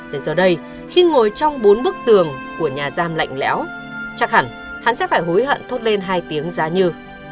đến giờ đây khi ngồi trong bốn bức tường của nhà giam lạnh lẽo chắc hẳn hắn sẽ phải hối hận thốt lên hai tiếng giá như